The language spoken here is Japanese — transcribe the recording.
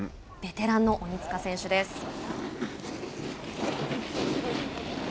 ベテランの鬼塚選手です。